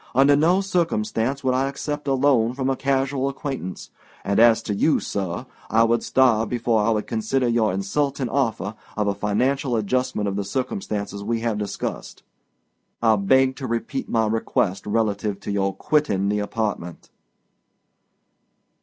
Under no circumstances would I accept a loan from a casual acquaintance; and as to you, sir, I would starve before I would consider your insulting offer of a financial adjustment of the circumstances we have discussed. I beg to repeat my request relative to your quitting the apartment."